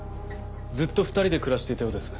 ずっと２人で暮らしていたようです。